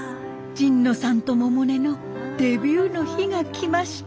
神野さんと百音のデビューの日が来ました。